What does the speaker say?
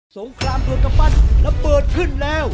งครามตัวกำปั้นระเบิดขึ้นแล้ว